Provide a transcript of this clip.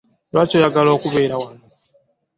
Lwaki oyagala okubeera wano.